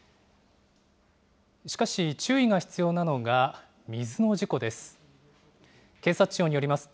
しかし、注意が必要なのが、水の事故です。